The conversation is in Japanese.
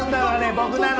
僕なの。